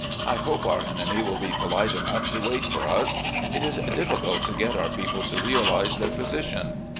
I hope our enemy will be polite enough to wait for us. It is difficult to get our people to realise their position.